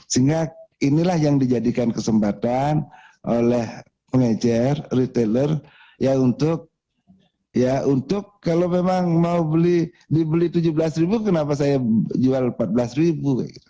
sehingga inilah yang dijadikan kesempatan oleh pengecer retailer untuk kalau memang mau dibeli rp tujuh belas kenapa saya jual rp empat belas ribu